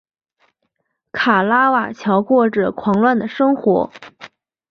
卡拉瓦乔过着狂乱的生活。